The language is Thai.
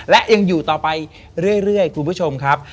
และยังอยู่ต่อไปเรื่อยคุณผู้ชมครับ